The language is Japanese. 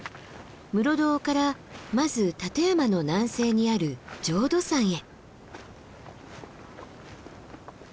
室堂からまず立山の南西にある浄土山へ。